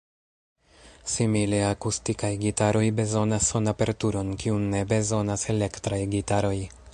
Simile, akustikaj gitaroj bezonas son-aperturon, kiun ne bezonas elektraj gitaroj.